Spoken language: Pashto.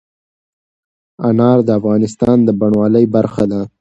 انار د افغانستان د بڼوالۍ برخه ده.